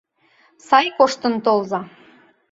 — Сай коштын толза!